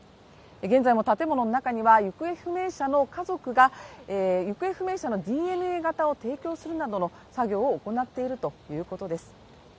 現在も建物の中には行方不明者の家族が行方不明者のＤＮＡ型を提供するなどの作業を行っているということです。